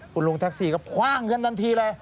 คุณลุงแท็กซี่ก็คว่างเงินทันทีเลย